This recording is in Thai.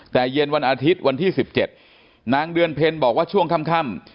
แต่เย็นวันอาทิตย์วันที่๑๗นางเดือนเพ็ญบอกว่าช่วงค่ำ